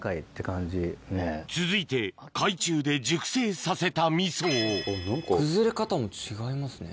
続いて海中で熟成させた味噌を崩れ方も違いますね。